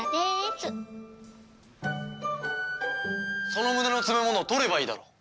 その胸の詰め物を取ればいいだろう。